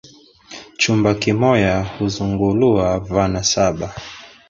Chumba kimoya huzunguluwa vana saba.